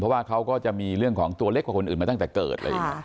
เพราะว่าเขาก็จะมีเรื่องของตัวเล็กกว่าคนอื่นมาตั้งแต่เกิด